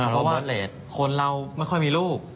เพราะว่าเลสคนเราไม่ค่อยมีลูก